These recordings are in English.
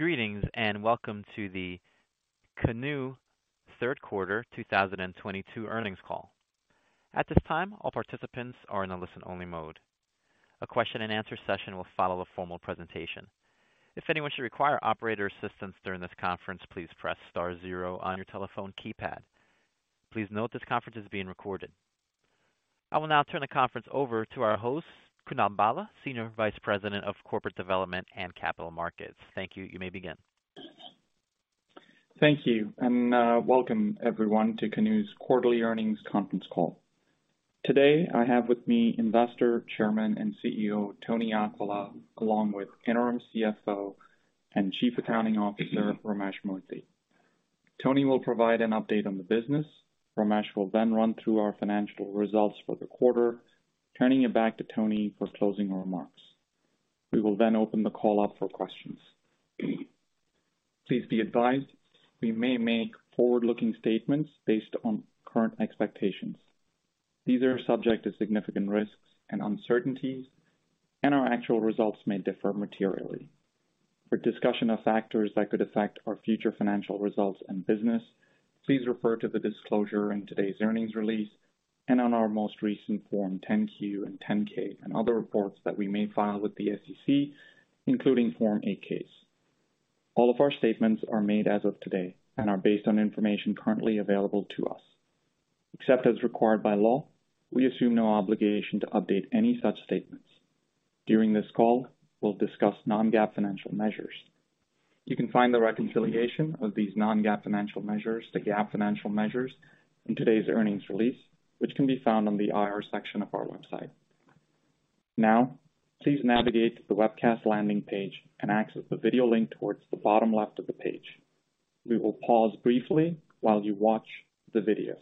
Greetings and welcome to the Canoo third quarter 2022 earnings call. At this time, all participants are in a listen-only mode. A question and answer session will follow the formal presentation. If anyone should require operator assistance during this conference, please press star zero on your telephone keypad. Please note this conference is being recorded. I will now turn the conference over to our host, Kunal Bhalla, Senior Vice President of Corporate Development and Capital Markets. Thank you. You may begin. Thank you, and welcome everyone to Canoo's quarterly earnings conference call. Today I have with me Investor, Chairman and CEO Tony Aquila, along with Interim CFO and Chief Accounting Officer Ramesh Murthy. Tony will provide an update on the business. Ramesh will then run through our financial results for the quarter, turning it back to Tony for closing remarks. We will then open the call up for questions. Please be advised we may make forward-looking statements based on current expectations. These are subject to significant risks and uncertainties, and our actual results may differ materially. For discussion of factors that could affect our future financial results and business, please refer to the disclosure in today's earnings release and on our most recent Form 10-Q and 10-K and other reports that we may file with the SEC, including Form 8-Ks. All of our statements are made as of today and are based on information currently available to us. Except as required by law, we assume no obligation to update any such statements. During this call, we'll discuss non-GAAP financial measures. You can find the reconciliation of these non-GAAP financial measures to GAAP financial measures in today's earnings release, which can be found on the IR section of our website. Now, please navigate to the webcast landing page and access the video link towards the bottom left of the page. We will pause briefly while you watch the video.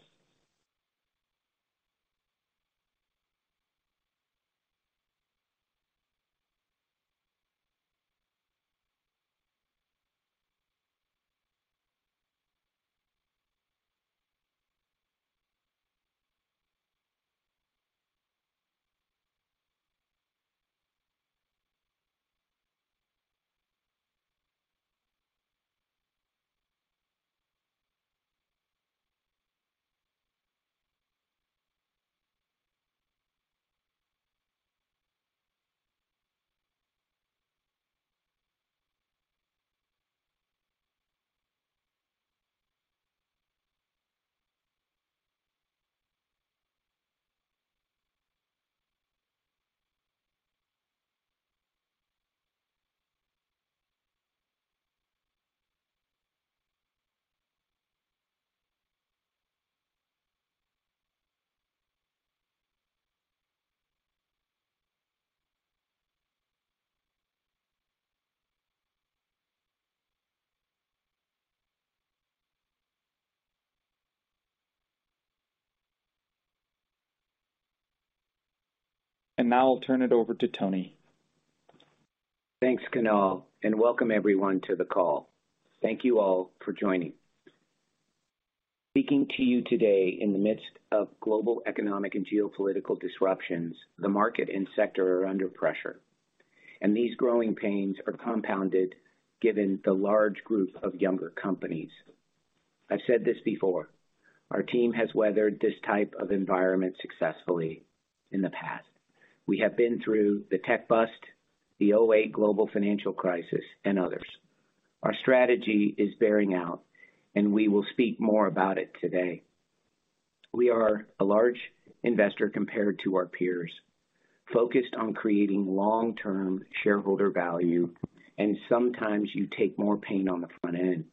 Now I'll turn it over to Tony. Thanks, Kunal, and welcome everyone to the call. Thank you all for joining. Speaking to you today in the midst of global economic and geopolitical disruptions, the market and sector are under pressure, and these growing pains are compounded given the large group of younger companies. I've said this before. Our team has weathered this type of environment successfully in the past. We have been through the tech bust, the 2008 global financial crisis, and others. Our strategy is bearing out, and we will speak more about it today. We are a large investor compared to our peers, focused on creating long-term shareholder value, and sometimes you take more pain on the front end.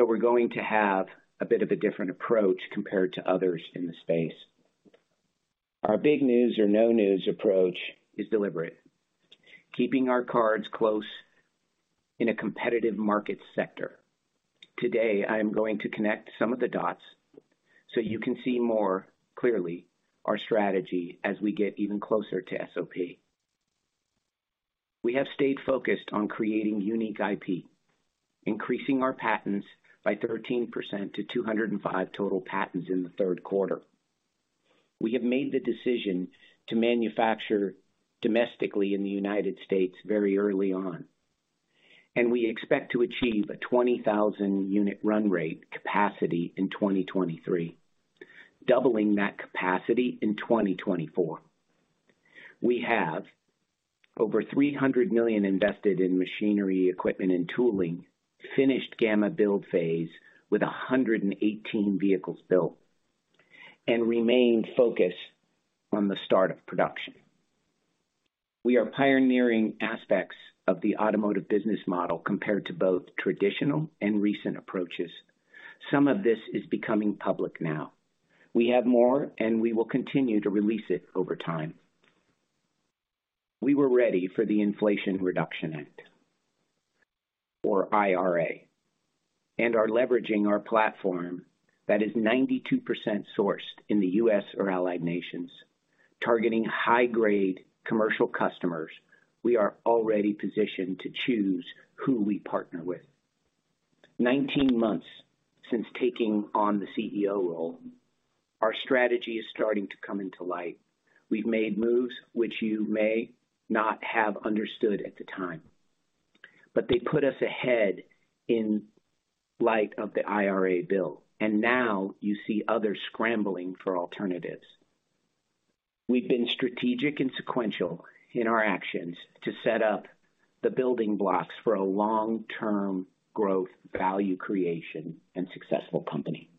We're going to have a bit of a different approach compared to others in the space. Our big news or no news approach is deliberate, keeping our cards close in a competitive market sector. Today I am going to connect some of the dots so you can see more clearly our strategy as we get even closer to SOP. We have stayed focused on creating unique IP, increasing our patents by 13% to 205 total patents in the third quarter. We have made the decision to manufacture domestically in the United States very early on, and we expect to achieve a 20,000 unit run rate capacity in 2023, doubling that capacity in 2024. We have over $300 million invested in machinery, equipment and tooling, finished gamma build phase with 118 vehicles built and remained focused on the start of production. We are pioneering aspects of the automotive business model compared to both traditional and recent approaches. Some of this is becoming public now. We have more, and we will continue to release it over time. We were ready for the Inflation Reduction Act, or IRA, and are leveraging our platform that is 92% sourced in the U.S. or allied nations. Targeting high-grade commercial customers, we are already positioned to choose who we partner with. 19 months since taking on the CEO role, our strategy is starting to come into light. We've made moves which you may not have understood at the time, but they put us ahead in light of the IRA bill, and now you see others scrambling for alternatives. We've been strategic and sequential in our actions to set up the building blocks for a long-term growth, value creation, and successful company.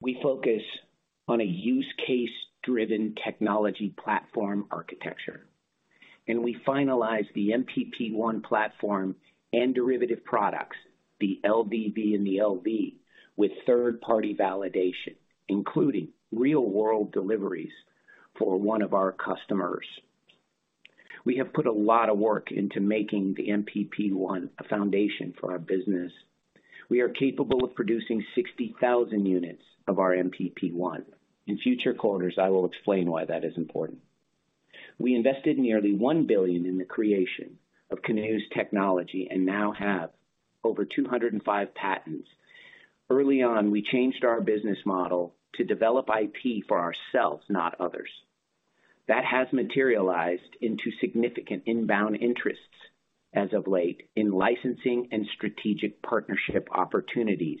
We focus on a use case-driven technology platform architecture, and we finalize the MPP1 platform and derivative products, the LDV and the LV, with third-party validation, including real-world deliveries for one of our customers. We have put a lot of work into making the MPP1 a foundation for our business. We are capable of producing 60,000 units of our MPP1. In future quarters, I will explain why that is important. We invested nearly $1 billion in the creation of Canoo's technology and now have over 205 patents. Early on, we changed our business model to develop IP for ourselves, not others. That has materialized into significant inbound interests as of late in licensing and strategic partnership opportunities,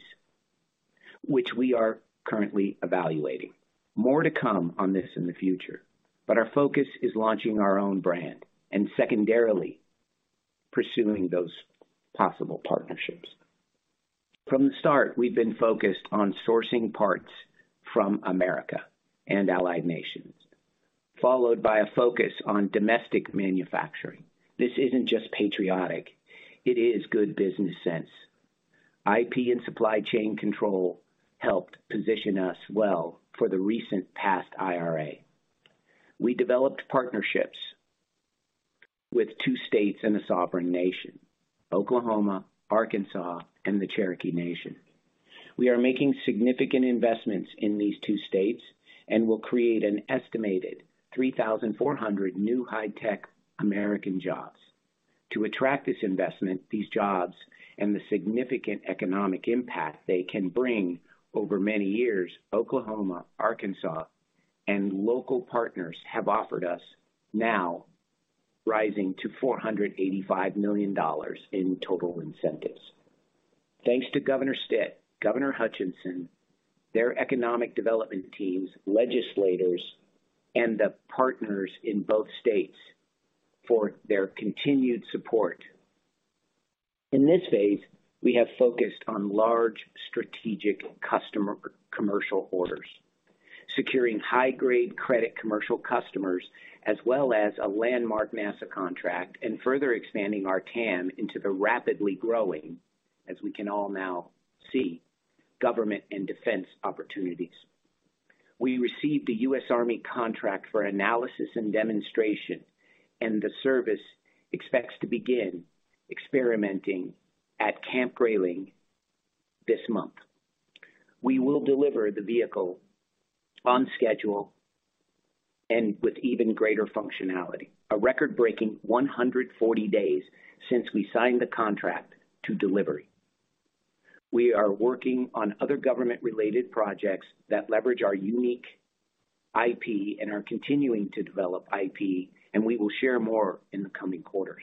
which we are currently evaluating. More to come on this in the future, but our focus is launching our own brand and secondarily, pursuing those possible partnerships. From the start, we've been focused on sourcing parts from America and allied nations, followed by a focus on domestic manufacturing. This isn't just patriotic, it is good business sense. IP and supply chain control helped position us well for the recently passed IRA. We developed partnerships with two states and a sovereign nation, Oklahoma, Arkansas, and the Cherokee Nation. We are making significant investments in these two states and will create an estimated 3,400 new high-tech American jobs. To attract this investment, these jobs, and the significant economic impact they can bring over many years, Oklahoma, Arkansas, and local partners have offered us now rising to $485 million in total incentives. Thanks to Governor Stitt, Governor Hutchinson, their economic development teams, legislators, and the partners in both states for their continued support. In this phase, we have focused on large strategic customer commercial orders, securing high-grade credit commercial customers, as well as a landmark NASA contract, and further expanding our TAM into the rapidly growing, as we can all now see, government and defense opportunities. We received a U.S. Army contract for analysis and demonstration, and the service expects to begin experimenting at Camp Grayling this month. We will deliver the vehicle on schedule and with even greater functionality. A record-breaking 140 days since we signed the contract to delivery. We are working on other government-related projects that leverage our unique IP and are continuing to develop IP, and we will share more in the coming quarters.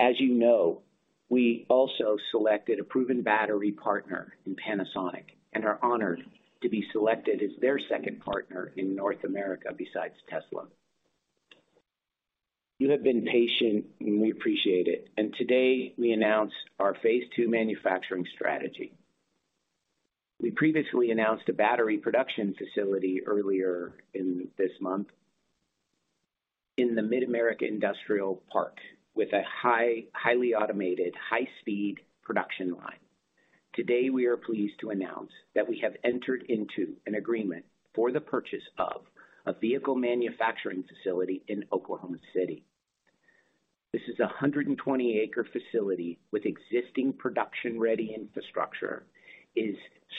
As you know, we also selected a proven battery partner in Panasonic and are honored to be selected as their second partner in North America besides Tesla. You have been patient, and we appreciate it. Today, we announced our phase two manufacturing strategy. We previously announced a battery production facility earlier in this month in the Mid-America Industrial Park with a highly automated, high-speed production line. Today, we are pleased to announce that we have entered into an agreement for the purchase of a vehicle manufacturing facility in Oklahoma City. This is a 120-acre facility with existing production-ready infrastructure,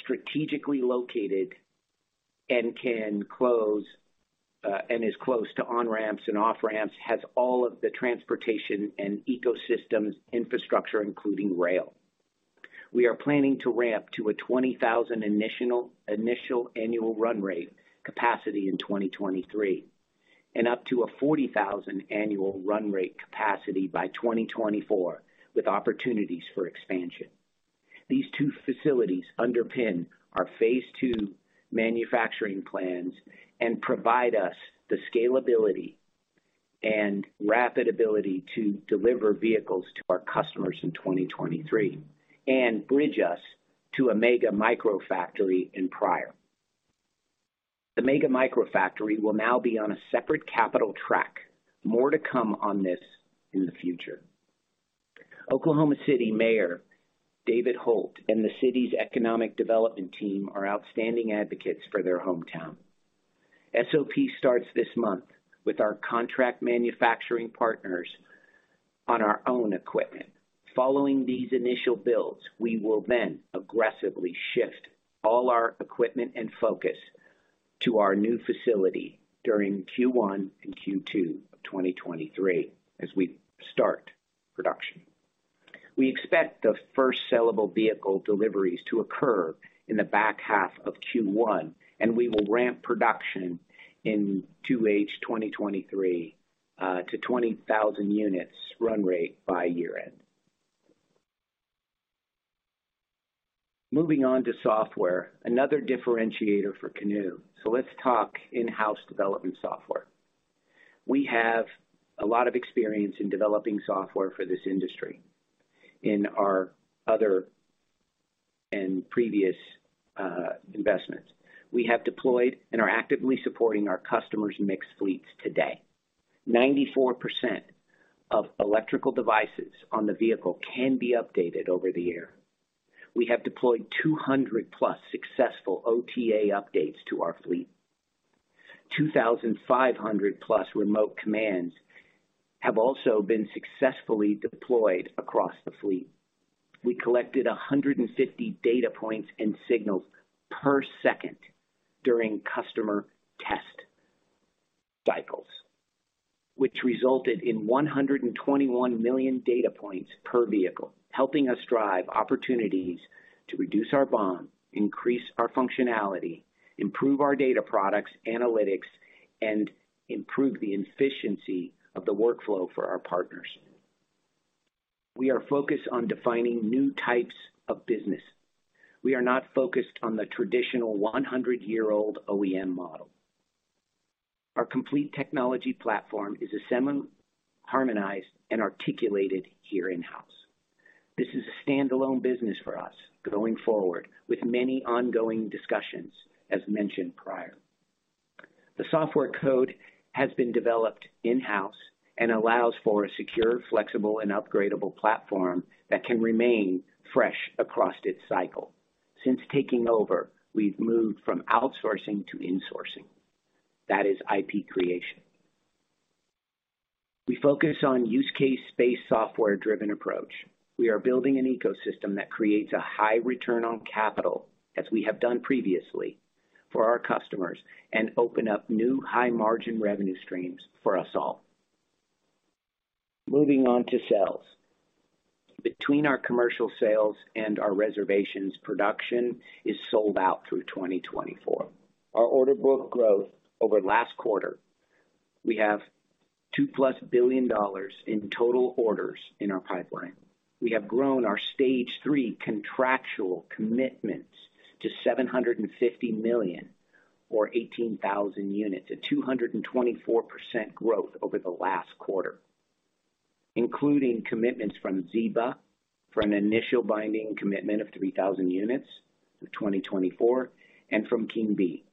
strategically located and close to on-ramps and off-ramps, has all of the transportation and ecosystems infrastructure, including rail. We are planning to ramp to a 20,000 initial annual run rate capacity in 2023, and up to a 40,000 annual run rate capacity by 2024, with opportunities for expansion. These two facilities underpin our phase two manufacturing plans and provide us the scalability and rapid ability to deliver vehicles to our customers in 2023 and bridge us to a Mega-Micro factory in Pryor. The Mega-Micro factory will now be on a separate capital track. More to come on this in the future. Oklahoma City Mayor David Holt and the city's economic development team are outstanding advocates for their hometown. SOP starts this month with our contract manufacturing partners on our own equipment. Following these initial builds, we will then aggressively shift all our equipment and focus to our new facility during Q1 and Q2 of 2023 as we start production. We expect the first sellable vehicle deliveries to occur in the back half of Q1, and we will ramp production in 2H 2023 to 20,000 units run rate by year-end. Moving on to software, another differentiator for Canoo. Let's talk in-house development software. We have a lot of experience in developing software for this industry in our other and previous investments. We have deployed and are actively supporting our customers' mixed fleets today. 94% of electrical devices on the vehicle can be updated over the air. We have deployed 200+ successful OTA updates to our fleet. 2,500+ remote commands have also been successfully deployed across the fleet. We collected 150 data points and signals per second during customer test cycles, which resulted in 121 million data points per vehicle, helping us drive opportunities to reduce our BOM, increase our functionality, improve our data products analytics, and improve the efficiency of the workflow for our partners. We are focused on defining new types of business. We are not focused on the traditional 100-year-old OEM model. Our complete technology platform is assembled, harmonized, and articulated here in-house. This is a standalone business for us going forward with many ongoing discussions, as mentioned prior. The software code has been developed in-house and allows for a secure, flexible, and upgradable platform that can remain fresh across its cycle. Since taking over, we've moved from outsourcing to insourcing. That is IP creation. We focus on use case-based software-driven approach. We are building an ecosystem that creates a high return on capital, as we have done previously for our customers, and open up new high-margin revenue streams for us all. Moving on to sales. Between our commercial sales and our reservations, production is sold out through 2024. Our order book growth over last quarter, we have $2+ billion in total orders in our pipeline. We have grown our stage three contractual commitments to $750 million or 18,000 units, a 224% growth over the last quarter, including commitments from Zeeba for an initial binding commitment of 3,000 units for 2024, and from Kingbee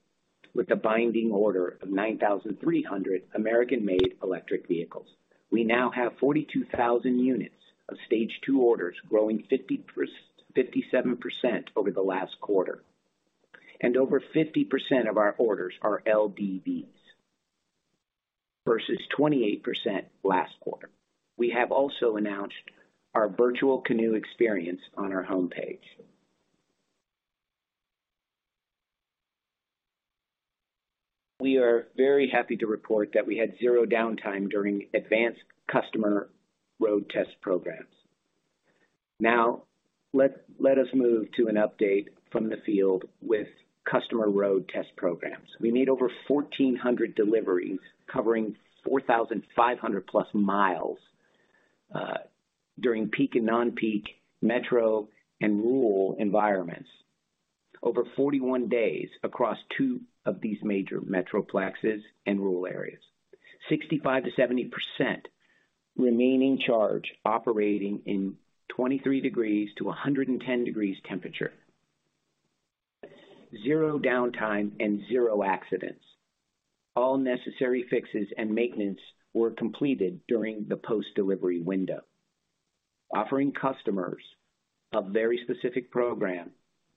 with a binding order of 9,300 American-made electric vehicles. We now have 42,000 units of stage two orders growing 57% over the last quarter, and over 50% of our orders are LDVs versus 28% last quarter. We have also announced our virtual Canoo experience on our homepage. We are very happy to report that we had zero downtime during advanced customer road test programs. Now, let us move to an update from the field with customer road test programs. We made over 1,400 deliveries covering 4,500+ mi during peak and non-peak metro and rural environments over 41 days across two of these major metroplexes and rural areas. 65%-70% remaining charge operating in 23 degrees to 110 degrees temperature. Zero downtime and zero accidents. All necessary fixes and maintenance were completed during the post-delivery window, offering customers a very specific program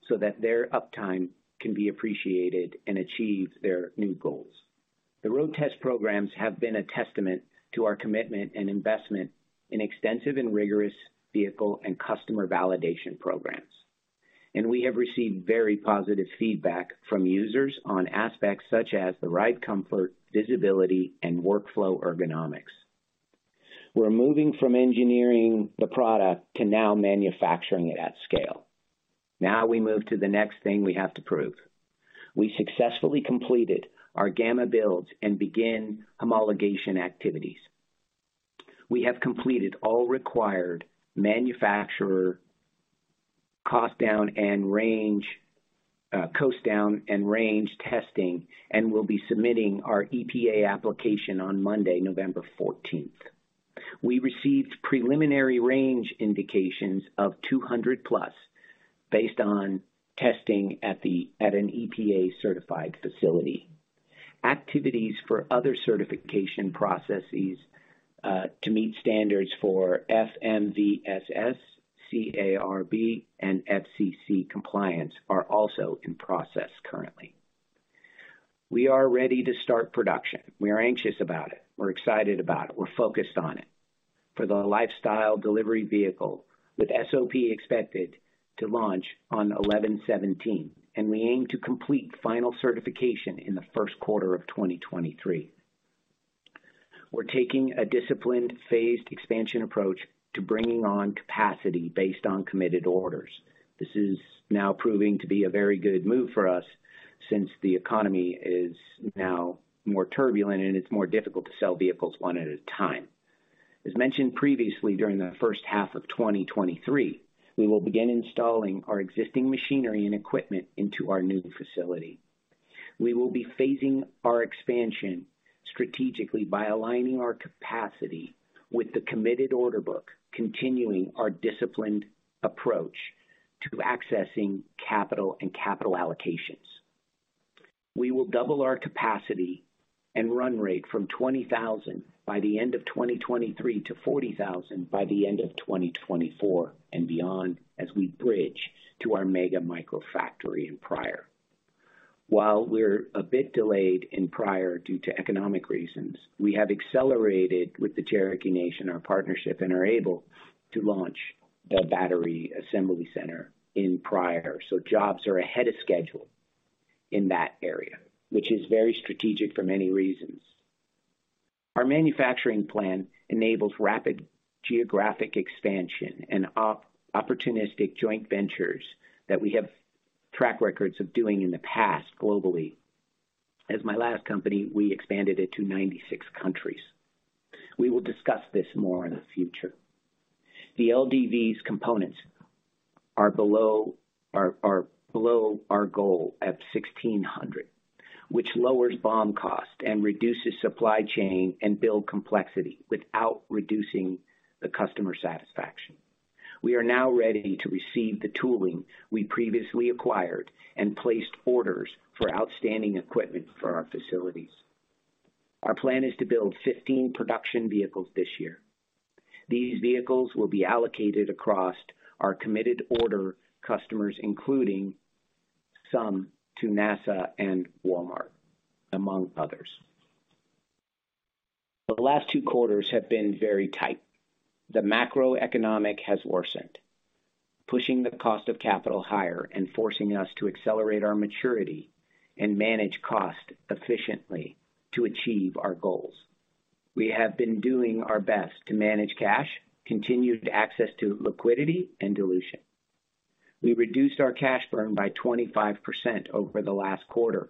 so that their uptime can be appreciated and achieve their new goals. The road test programs have been a testament to our commitment and investment in extensive and rigorous vehicle and customer validation programs, and we have received very positive feedback from users on aspects such as the ride comfort, visibility, and workflow ergonomics. We're moving from engineering the product to now manufacturing it at scale. Now we move to the next thing we have to prove. We successfully completed our gamma builds and begin homologation activities. We have completed all required manufacturer cost down and range, coast down and range testing, and we'll be submitting our EPA application on Monday, November 14th. We received preliminary range indications of 200+ based on testing at an EPA-certified facility. Activities for other certification processes, to meet standards for FMVSS, CARB, and FCC compliance are also in process currently. We are ready to start production. We are anxious about it. We're excited about it. We're focused on it. For the Lifestyle Delivery Vehicle, with SOP expected to launch on 11/17/2022, and we aim to complete final certification in the first quarter of 2023. We're taking a disciplined, phased expansion approach to bringing on capacity based on committed orders. This is now proving to be a very good move for us since the economy is now more turbulent and it's more difficult to sell vehicles one at a time. As mentioned previously, during the first half of 2023, we will begin installing our existing machinery and equipment into our new facility. We will be phasing our expansion strategically by aligning our capacity with the committed order book, continuing our disciplined approach to accessing capital and capital allocations. We will double our capacity and run rate from 20,000 by the end of 2023 to 40,000 by the end of 2024 and beyond as we bridge to our Mega-Micro factory in Pryor. While we're a bit delayed in Pryor due to economic reasons, we have accelerated with the Cherokee Nation, our partnership, and are able to launch the battery assembly center in Pryor. Jobs are ahead of schedule in that area, which is very strategic for many reasons. Our manufacturing plan enables rapid geographic expansion and opportunistic joint ventures that we have track records of doing in the past globally. As my last company, we expanded it to 96 countries. We will discuss this more in the future. The LDV's components are below our goal at 1,600 components, which lowers BOM cost and reduces supply chain and build complexity without reducing the customer satisfaction. We are now ready to receive the tooling we previously acquired and placed orders for outstanding equipment for our facilities. Our plan is to build 15 production vehicles this year. These vehicles will be allocated across our committed order customers, including some to NASA and Walmart, among others. The last two quarters have been very tight. The macroeconomic has worsened, pushing the cost of capital higher and forcing us to accelerate our maturity and manage cost efficiently to achieve our goals. We have been doing our best to manage cash, continue to access liquidity, and dilution. We reduced our cash burn by 25% over the last quarter,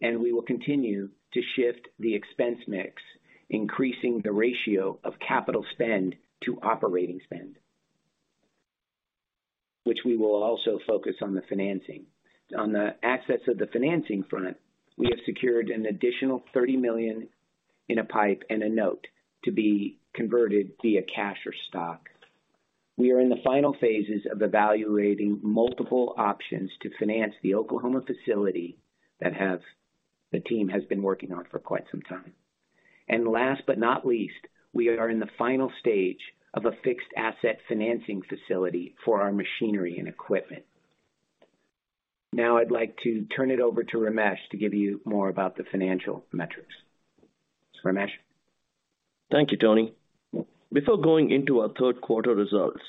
and we will continue to shift the expense mix, increasing the ratio of capital spend to operating spend, which we will also focus on the financing. On the financing front, we have secured an additional $30 million in a pipe and a note to be converted via cash or stock. We are in the final phases of evaluating multiple options to finance the Oklahoma facility that the team has been working on for quite some time. Last but not least, we are in the final stage of a fixed asset financing facility for our machinery and equipment. Now, I'd like to turn it over to Ramesh to give you more about the financial metrics. Ramesh? Thank you, Tony. Before going into our third quarter results,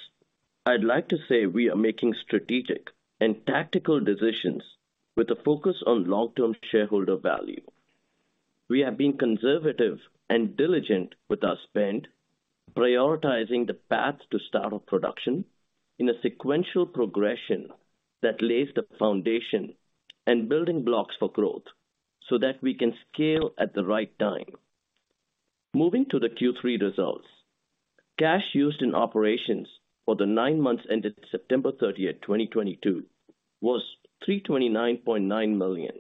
I'd like to say we are making strategic and tactical decisions with a focus on long-term shareholder value. We have been conservative and diligent with our spend, prioritizing the path to start our production in a sequential progression that lays the foundation and building blocks for growth so that we can scale at the right time. Moving to the Q3 results, cash used in operations for the nine months ended September 30th, 2022 was $329.9 million,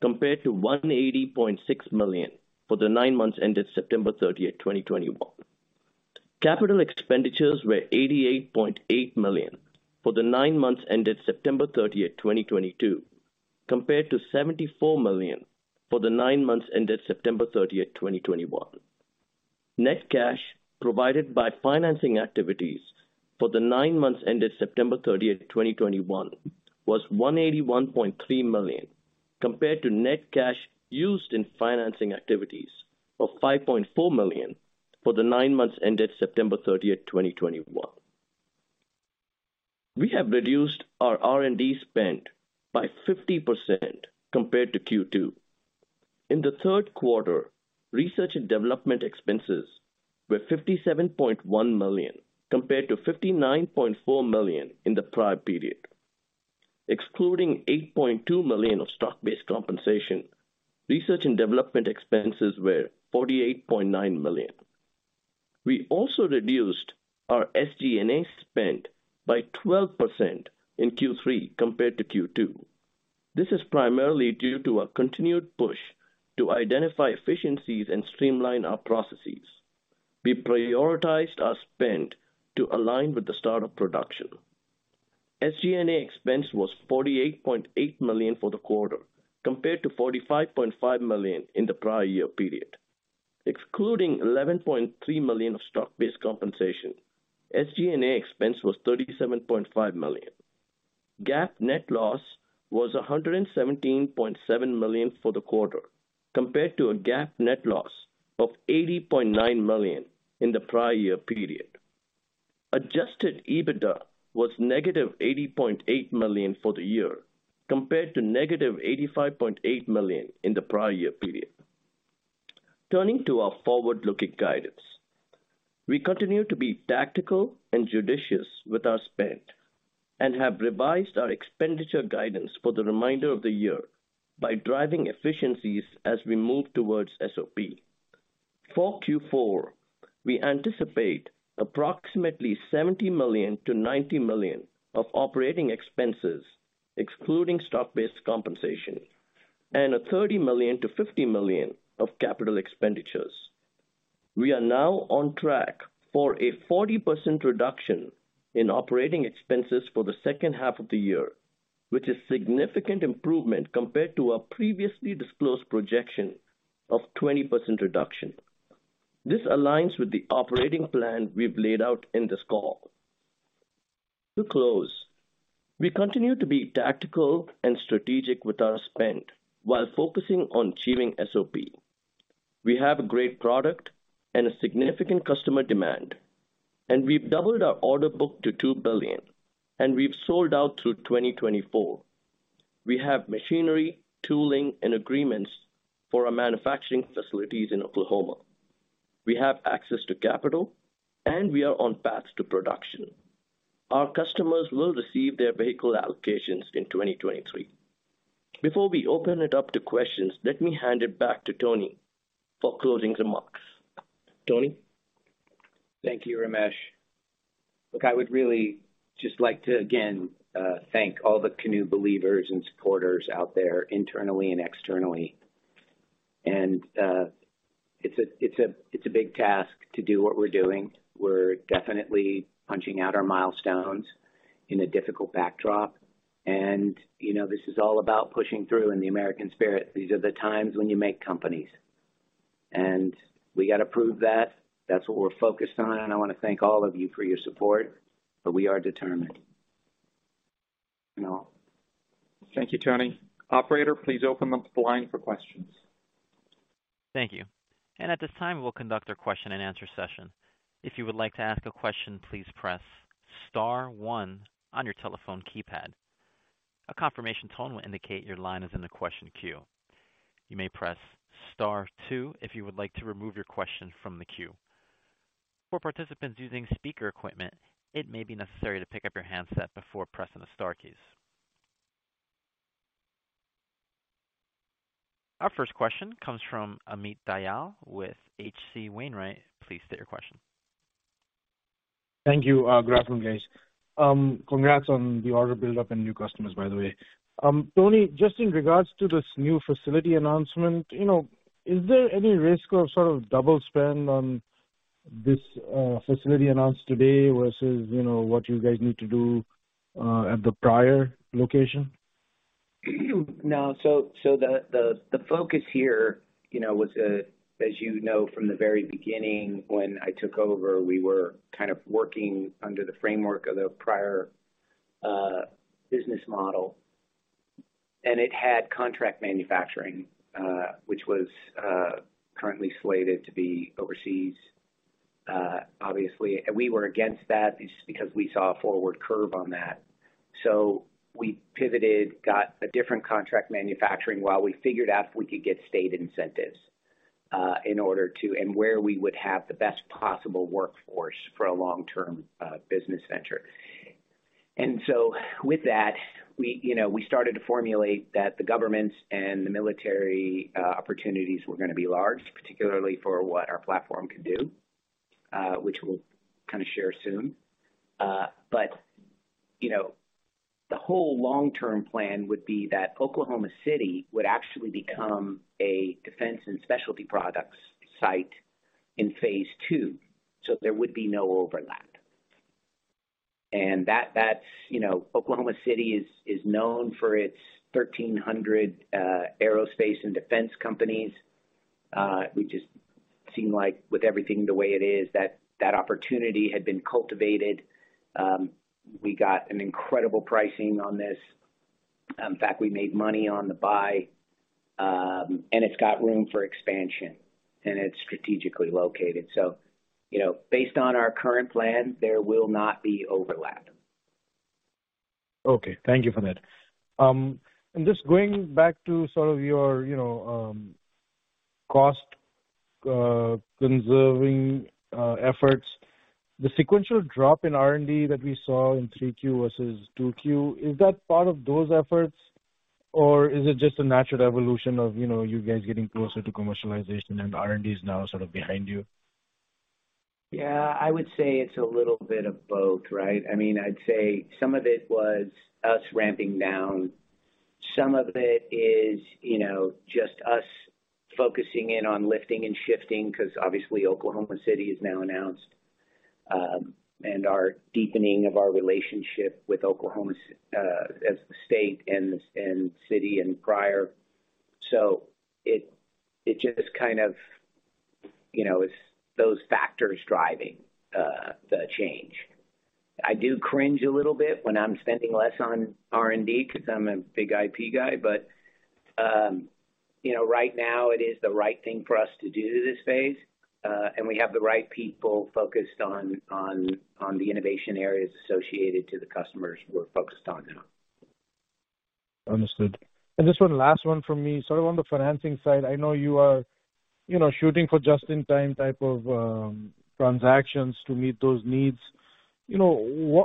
compared to $180.6 million for the nine months ended September 30th, 2021. Capital expenditures were $88.8 million for the nine months ended September 30, 2022, compared to $74 million for the nine months ended September 30, 2021. Net cash provided by financing activities for the nine months ended September 30th, 2021 was $181.3 million, compared to net cash used in financing activities of $5.4 million for the nine months ended September 30th, 2021. We have reduced our R&D spend by 50% compared to Q2. In the third quarter, research and development expenses were $57.1 million, compared to $59.4 million in the prior period. Excluding $8.2 million of stock-based compensation, research and development expenses were $48.9 million. We also reduced our SG&A spend by 12% in Q3 compared to Q2. This is primarily due to a continued push to identify efficiencies and streamline our processes. We prioritized our spend to align with the start of production. SG&A expense was $48.8 million for the quarter, compared to $45.5 million in the prior year period. Excluding $11.3 million of stock-based compensation, SG&A expense was $37.5 million. GAAP net loss was $117.7 million for the quarter, compared to a GAAP net loss of $80.9 million in the prior year period. Adjusted EBITDA was -$80.8 million for the year, compared to -$85.8 million in the prior year period. Turning to our forward-looking guidance. We continue to be tactical and judicious with our spend and have revised our expenditure guidance for the remainder of the year by driving efficiencies as we move towards SOP. For Q4, we anticipate approximately $70 million-$90 million of operating expenses, excluding stock-based compensation, and $30 million-$50 million of capital expenditures. We are now on track for a 40% reduction in operating expenses for the second half of the year, which is significant improvement compared to our previously disclosed projection of 20% reduction. This aligns with the operating plan we've laid out in this call. To close, we continue to be tactical and strategic with our spend while focusing on achieving SOP. We have a great product and a significant customer demand, and we've doubled our order book to $2 billion, and we've sold out through 2024. We have machinery, tooling, and agreements for our manufacturing facilities in Oklahoma. We have access to capital, and we are on path to production. Our customers will receive their vehicle allocations in 2023. Before we open it up to questions, let me hand it back to Tony for closing remarks. Tony. Thank you, Ramesh. Look, I would really just like to again thank all the Canoo believers and supporters out there internally and externally. It's a big task to do what we're doing. We're definitely punching out our milestones in a difficult backdrop. You know, this is all about pushing through in the American spirit. These are the times when you make companies. We got to prove that. That's what we're focused on, and I wanna thank all of you for your support, but we are determined. Kunal. Thank you, Tony. Operator, please open up the line for questions. Thank you. At this time, we'll conduct our question-and-answer session. If you would like to ask a question, please press star one on your telephone keypad. A confirmation tone will indicate your line is in the question queue. You may press star two if you would like to remove your question from the queue. For participants using speaker equipment, it may be necessary to pick up your handset before pressing the star keys. Our first question comes from Amit Dayal with H.C. Wainwright. Please state your question. Thank you. Great one, guys. Congrats on the order build-up and new customers, by the way. Tony, just in regards to this new facility announcement, you know, is there any risk of sort of double spend on this facility announced today versus, you know, what you guys need to do at the prior location? No. The focus here, you know, was as you know from the very beginning when I took over. We were kind of working under the framework of the prior business model, and it had contract manufacturing, which was currently slated to be overseas. Obviously, we were against that just because we saw a forward curve on that. We pivoted, got a different contract manufacturing while we figured out if we could get state incentives and where we would have the best possible workforce for a long-term business venture. With that, we, you know, we started to formulate that the government and the military opportunities were gonna be large, particularly for what our platform could do, which we'll kind of share soon. You know, the whole long-term plan would be that Oklahoma City would actually become a defense and specialty products site in phase two, so there would be no overlap. That is, you know, Oklahoma City is known for its 1,300 aerospace and defense companies. We just seem like with everything the way it is, that opportunity had been cultivated. We got an incredible pricing on this. In fact, we made money on the buy, and it's got room for expansion, and it's strategically located. You know, based on our current plan, there will not be overlap. Okay. Thank you for that. Just going back to sort of your, you know, cost conserving efforts, the sequential drop in R&D that we saw in 3Q versus 2Q, is that part of those efforts? Or is it just a natural evolution of, you know, you guys getting closer to commercialization and R&D is now sort of behind you? Yeah. I would say it's a little bit of both, right? I mean, I'd say some of it was us ramping down. Some of it is, you know, just us focusing in on lifting and shifting because obviously Oklahoma City is now announced, and our deepening of our relationship with Oklahoma, as the state and city in Pryor. It's those factors driving the change. I do cringe a little bit when I'm spending less on R&D because I'm a big IP guy. You know, right now it is the right thing for us to do to this phase. We have the right people focused on the innovation areas associated to the customers we're focused on now. Understood. Just one last one from me. Sort of on the financing side, I know you are, you know, shooting for just in time type of transactions to meet those needs. You know,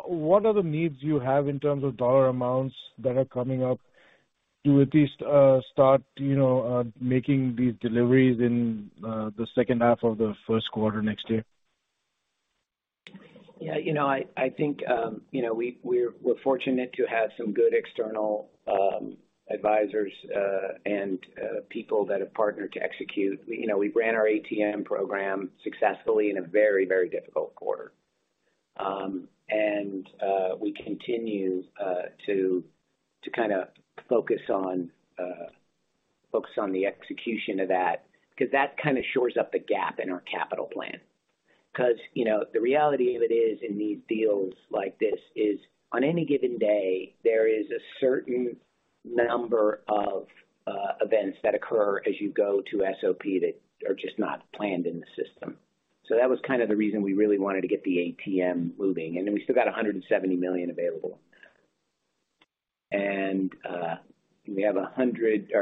what are the needs you have in terms of dollar amounts that are coming up to at least start, you know, making these deliveries in the second half of the first quarter next year? Yeah, you know, I think you know, we're fortunate to have some good external advisors and people that have partnered to execute. You know, we ran our ATM program successfully in a very, very difficult quarter. We continue to kind of focus on the execution of that, 'cause that kind of shores up the gap in our capital plan. 'Cause, you know, the reality of it is, in these deals like this is on any given day, there is a certain number of events that occur as you go to SOP that are just not planned in the system. So that was kind of the reason we really wanted to get the ATM moving. Then we still got $170 million available. We have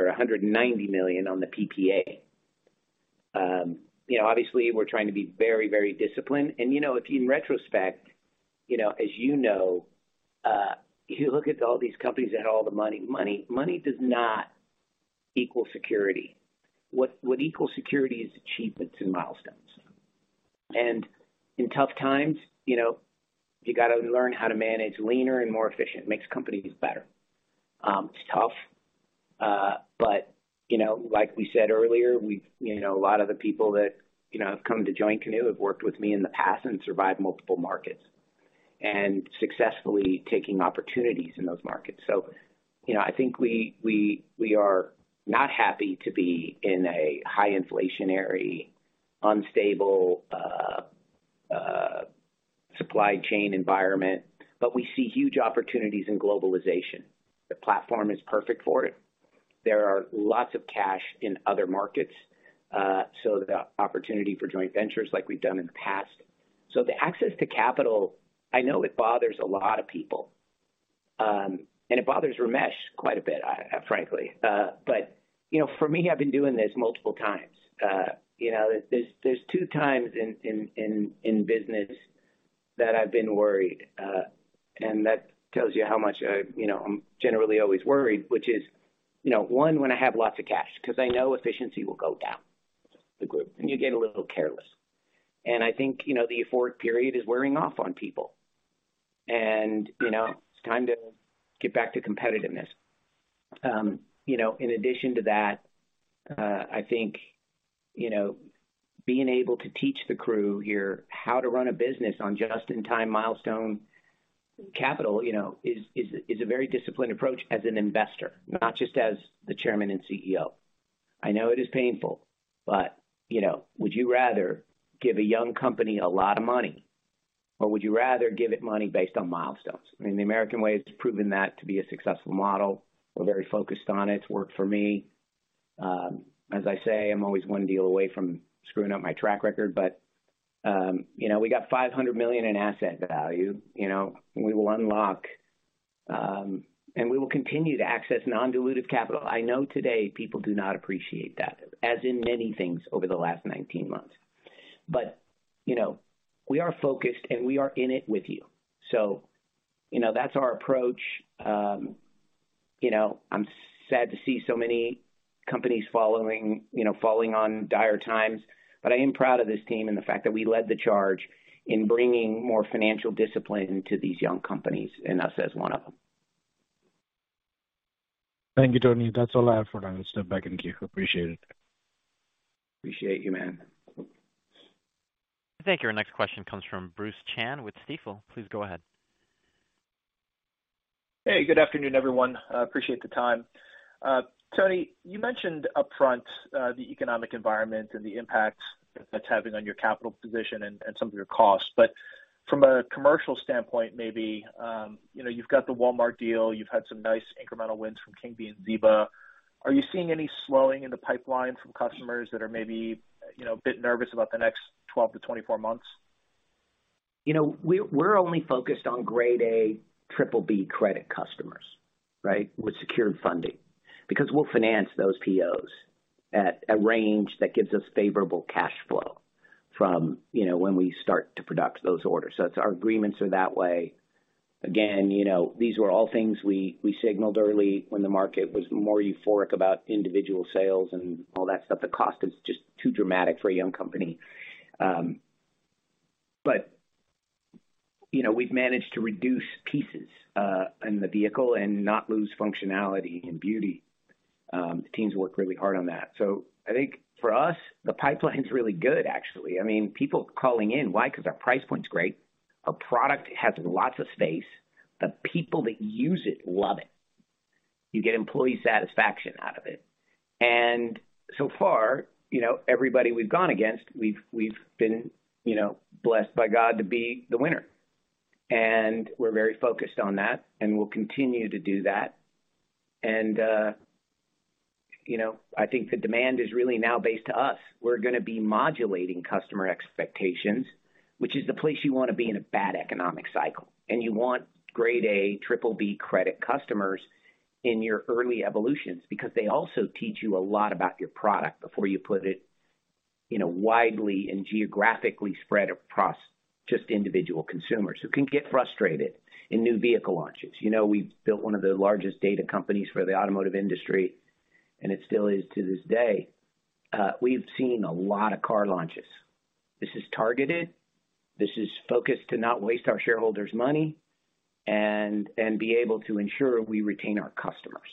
$190 million on the PPA. You know, obviously we're trying to be very, very disciplined. You know, if you, in retrospect, you know, as you know, you look at all these companies that had all the money. Money, money does not equal security. What, what equals security is achievements and milestones. In tough times, you know, you gotta learn how to manage leaner and more efficient. It makes companies better. It's tough, but you know, like we said earlier, we've, you know, a lot of the people that, you know, have come to join Canoo have worked with me in the past and survived multiple markets and successfully taking opportunities in those markets. You know, I think we are not happy to be in a high inflationary, unstable supply chain environment, but we see huge opportunities in globalization. The platform is perfect for it. There are lots of cash in other markets. The opportunity for joint ventures like we've done in the past. The access to capital, I know it bothers a lot of people, and it bothers Ramesh quite a bit, frankly. But you know, for me, I've been doing this multiple times. You know, there's two times in business that I've been worried. And that tells you how much, you know, I'm generally always worried, which is, you know, one, when I have lots of cash because I know efficiency will go down the group and you get a little careless. I think, you know, the euphoric period is wearing off on people and, you know, it's time to get back to competitiveness. You know, in addition to that, I think, you know, being able to teach the crew here how to run a business on just in time milestone capital, you know, is a very disciplined approach as an investor, not just as the Chairman and CEO. I know it is painful, but, you know, would you rather give a young company a lot of money or would you rather give it money based on milestones? I mean, the American way has proven that to be a successful model. We're very focused on it. It's worked for me. As I say, I'm always one deal away from screwing up my track record. You know, we got $500 million in asset value. You know, we will unlock, and we will continue to access non-dilutive capital. I know today people do not appreciate that, as in many things over the last 19 months. You know, we are focused and we are in it with you. You know, that's our approach. You know, I'm sad to see so many companies, you know, falling on dire times, but I am proud of this team and the fact that we led the charge in bringing more financial discipline to these young companies and us as one of them. Thank you, Tony. That's all I have for now. I'll step back in queue. Appreciate it. Appreciate you, man. Thank you. Our next question comes from Bruce Chan with Stifel. Please go ahead. Hey, good afternoon, everyone. Appreciate the time. Tony, you mentioned upfront the economic environment and the impact that's having on your capital position and some of your costs, but from a commercial standpoint, maybe you know, you've got the Walmart deal, you've had some nice incremental wins from Kingbee and Zeeba. Are you seeing any slowing in the pipeline from customers that are maybe a bit nervous about the next 12-24 months? You know, we're only focused on grade A-BBB credit customers, right? With secured funding. Because we'll finance those POs at a range that gives us favorable cash flow from, you know, when we start to produce those orders. It's our agreements are that way. Again, you know, these were all things we signaled early when the market was more euphoric about individual sales and all that stuff. The cost is just too dramatic for a young company. You know, we've managed to reduce pieces in the vehicle and not lose functionality and beauty. The teams work really hard on that. I think for us, the pipeline's really good actually. I mean, people calling in. Why? 'Cause our price point's great. Our product has lots of space. The people that use it love it. You get employee satisfaction out of it. So far, you know, everybody we've gone against, we've been you know, blessed by God to be the winner. We're very focused on that, and we'll continue to do that. You know, I think the demand is really now based to us. We're gonna be modulating customer expectations, which is the place you wanna be in a bad economic cycle. You want grade A-BBB credit customers in your early evolutions because they also teach you a lot about your product before you put it, you know, widely and geographically spread across just individual consumers who can get frustrated in new vehicle launches. You know, we've built one of the largest data companies for the automotive industry, and it still is to this day. We've seen a lot of car launches. This is targeted. This is focused to not waste our shareholders' money and be able to ensure we retain our customers.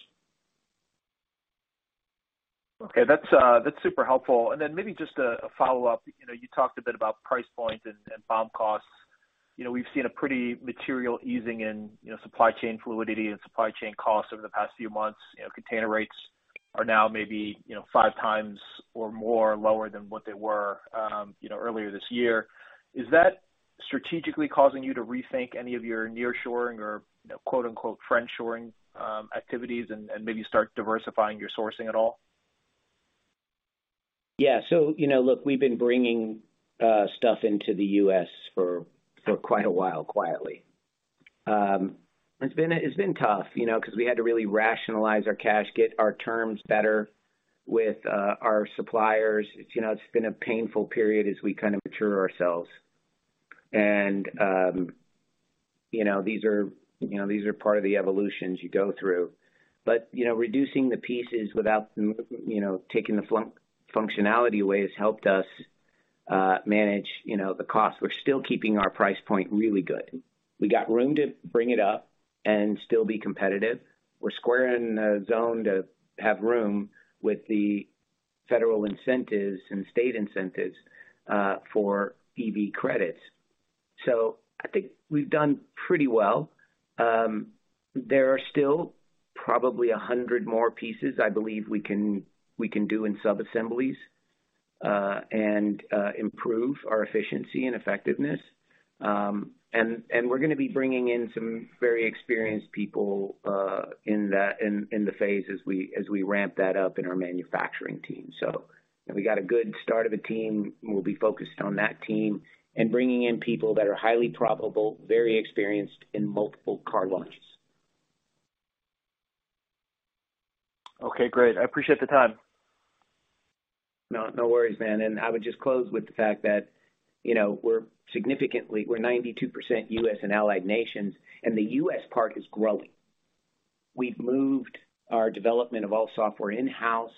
Okay. That's super helpful. Maybe just a follow-up. You know, you talked a bit about price points and BOM costs. You know, we've seen a pretty material easing in supply chain fluidity and supply chain costs over the past few months. You know, container rates are now maybe five times or more lower than what they were earlier this year. Is that strategically causing you to rethink any of your nearshoring or, you know, quote-unquote friendshoring activities and maybe start diversifying your sourcing at all? Yeah. You know, look, we've been bringing stuff into the U.S. for quite a while quietly. It's been tough, you know, 'cause we had to really rationalize our cash, get our terms better with our suppliers. It's you know, it's been a painful period as we kind of mature ourselves. These are part of the evolutions you go through. You know, reducing the pieces without you know, taking the functionality away has helped us manage the cost. We're still keeping our price point really good. We got room to bring it up and still be competitive. We're square in the zone to have room with the federal incentives and state incentives for EV credits. I think we've done pretty well. There are still probably 100 more pieces I believe we can do in sub-assemblies, and improve our efficiency and effectiveness. We're gonna be bringing in some very experienced people in that phase as we ramp that up in our manufacturing team. We got a good start of a team, and we'll be focused on that team and bringing in people that are highly capable, very experienced in multiple car launches. Okay, great. I appreciate the time. No, no worries, man. I would just close with the fact that, you know, we're significantly. We're 92% U.S. and allied nations, and the U.S. part is growing. We've moved our development of all software in-house.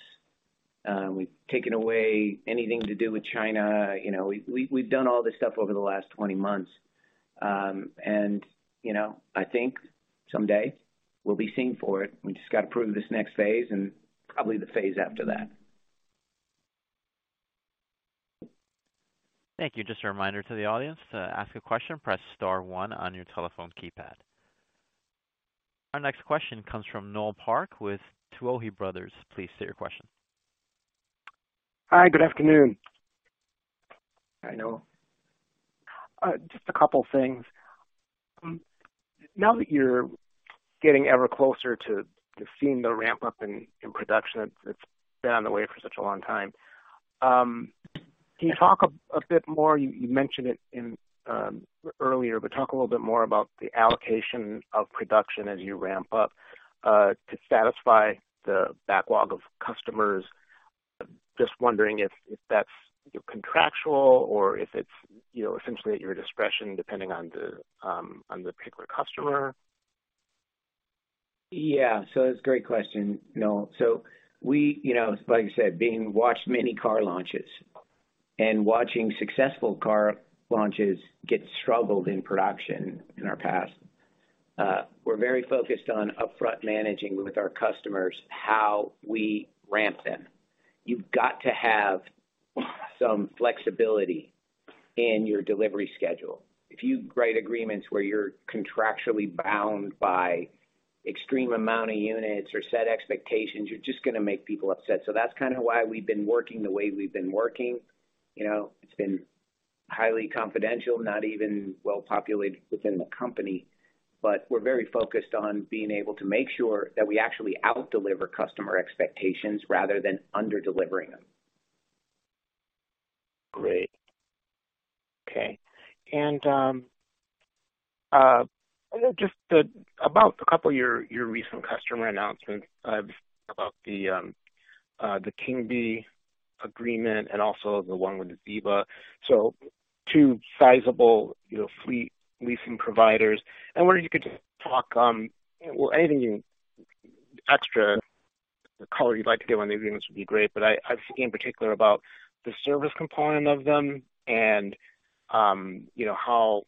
We've taken away anything to do with China. You know, we've done all this stuff over the last 20 months. You know, I think someday we'll be seen for it. We just gotta prove this next phase and probably the phase after that. Thank you. Just a reminder to the audience, to ask a question, press star one on your telephone keypad. Our next question comes from Noel Parks with Tuohy Brothers. Please state your question. Hi. Good afternoon. Hi, Noel. Just a couple things. Now that you're getting ever closer to seeing the ramp-up in production that's been on the way for such a long time, can you talk a bit more, you mentioned it in earlier, but talk a little bit more about the allocation of production as you ramp up to satisfy the backlog of customers. Just wondering if that's contractual or if it's, you know, essentially at your discretion depending on the particular customer. Yeah. It's a great question, Noel. We, you know, like I said, having watched many car launches and having watched successful car launches struggle in production in the past, we're very focused on upfront managing with our customers how we ramp them. You've got to have some flexibility in your delivery schedule. If you write agreements where you're contractually bound by extreme amount of units or set expectations, you're just gonna make people upset. That's kinda why we've been working the way we've been working. You know, it's been highly confidential, not even well-populated within the company. We're very focused on being able to make sure that we actually out-deliver customer expectations rather than under-delivering them. Great. Okay. Just about a couple of your recent customer announcements about the Kingbee agreement and also the one with Zeeba. So two sizable, you know, fleet leasing providers. I wonder if you could just talk, well, anything extra color you'd like to give on these agreements would be great. But I was thinking in particular about the service component of them and, you know, how,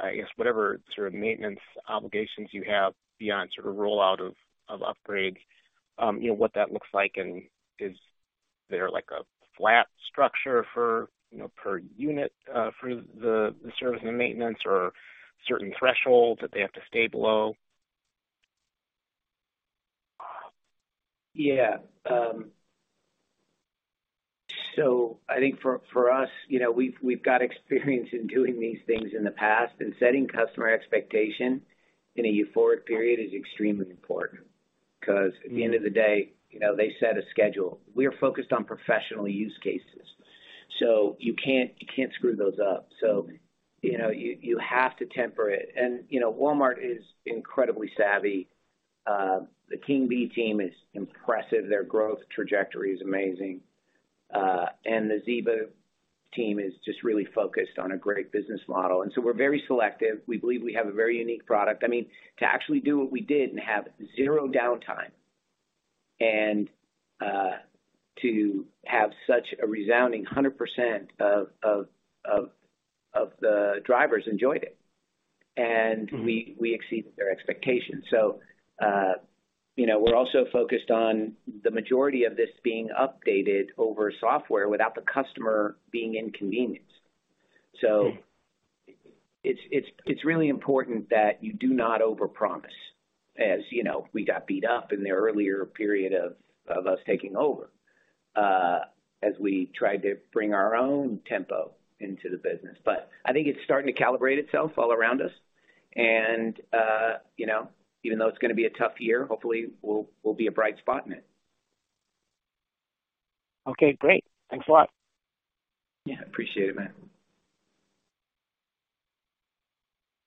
I guess, whatever sort of maintenance obligations you have beyond sort of rollout of upgrades, you know, what that looks like and is there like a flat structure for, you know, per unit for the service and maintenance or certain thresholds that they have to stay below. Yeah. So I think for us, you know, we've got experience in doing these things in the past, and setting customer expectation in a euphoric period is extremely important, 'cause- Mm-hmm... the end of the day, you know, they set a schedule. We are focused on professional use cases, so you can't screw those up. You know, you have to temper it. You know, Walmart is incredibly savvy. The Kingbee team is impressive. Their growth trajectory is amazing. The Zeeba team is just really focused on a great business model. We're very selective. We believe we have a very unique product. I mean, to actually do what we did and have zero downtime and to have such a resounding 100% of the drivers enjoyed it. Mm-hmm. We exceeded their expectations. You know, we're also focused on the majority of this being updated over software without the customer being inconvenienced. Mm-hmm. It's really important that you do not overpromise. As you know, we got beat up in the earlier period of us taking over, as we tried to bring our own tempo into the business. I think it's starting to calibrate itself all around us and, you know, even though it's gonna be a tough year, hopefully we'll be a bright spot in it. Okay, great. Thanks a lot. Yeah, appreciate it, man.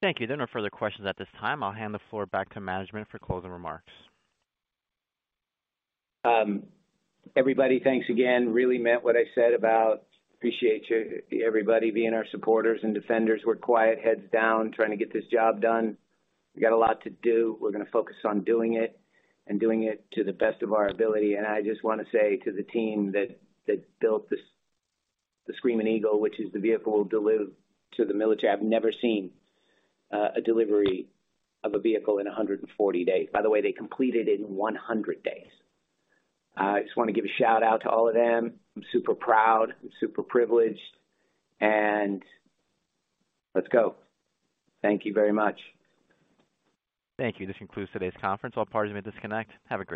Thank you. There are no further questions at this time. I'll hand the floor back to management for closing remarks. Everybody, thanks again. Really meant what I said about appreciate you, everybody being our supporters and defenders. We're quiet, heads down, trying to get this job done. We got a lot to do. We're gonna focus on doing it and doing it to the best of our ability. I just wanna say to the team that built this, the Screaming Eagle, which is the vehicle delivered to the military. I've never seen a delivery of a vehicle in 140 days. By the way, they completed in 100 days. I just wanna give a shout-out to all of them. I'm super proud. I'm super privileged. Let's go. Thank you very much. Thank you. This concludes today's conference. All parties may disconnect. Have a great day.